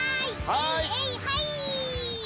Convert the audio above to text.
えいえいはい！